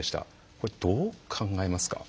これ、どう考えますか？